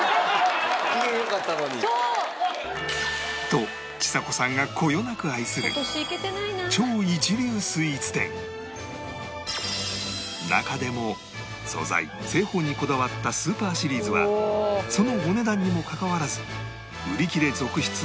とちさ子さんがこよなく愛する中でも素材製法にこだわったスーパーシリーズはそのお値段にもかかわらず売り切れ続出の看板人気商品